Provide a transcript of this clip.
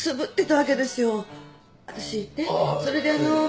それであのう。